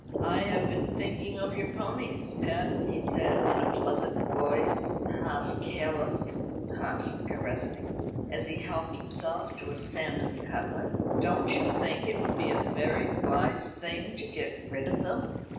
"I have been thinking of your ponies, pet," he said, in a pleasant voice, half careless, half caressing, as he helped himself to a salmon cutlet. "Don't you think it would be a very wise thing to get rid of them?"